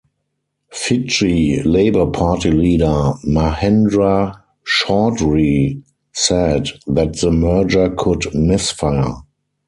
Fiji Labour Party leader Mahendra Chaudhry said that the merger could misfire.